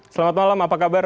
selamat malam apa kabar